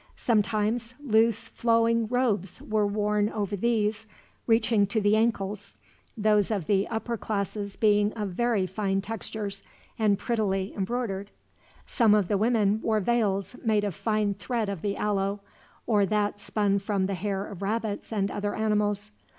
Sometimes loose flowing robes were worn over these, reaching to the ankles those of the upper classes being of very fine textures, and prettily embroidered. Some of the women wore veils made of fine thread of the aloe, or that spun from the hair of rabbits and other animals.